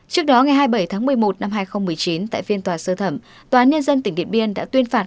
trước đó ngày hai mươi bảy tháng một mươi một năm hai nghìn một mươi chín tại phiên tòa sơ thẩm tòa án nhân dân tỉnh điện biên đã tuyên phạt